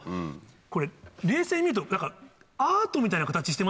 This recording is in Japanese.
これ冷静に見るとアートみたいな形してません？